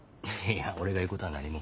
いや俺が言うことは何も。